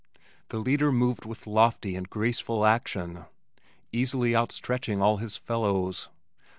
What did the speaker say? The leader moved with lofty and graceful action, easily out stretching all his fellows.